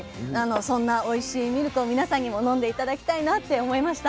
そんなおいしいミルクを皆さんにも飲んで頂きたいなって思いました。